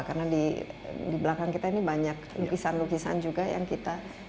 karena di belakang kita ini banyak lukisan lukisan juga yang kita